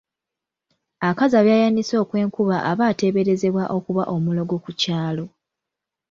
Akaza by'ayanise okw'enkuba aba ateeberezebwa okuba omulogo ku kyalo.